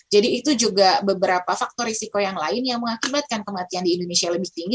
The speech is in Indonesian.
jadi itu juga beberapa faktor risiko yang lain yang mengakibatkan kematian di indonesia lebih tinggi